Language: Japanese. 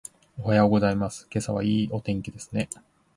おはようございます。今朝はいいお天気ですね。